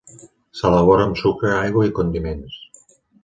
S'elabora amb sucre, aigua i condiments.